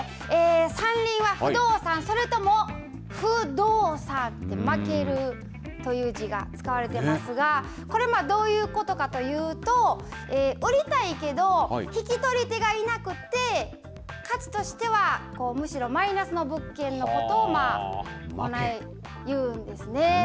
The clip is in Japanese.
山林は不動産それとも負動産って負けるという字が使われていますがこれはどういうことかというと売りたいけど引き取り手がいなくって価値としてはむしろマイナスの物件のことをこない言うんですね。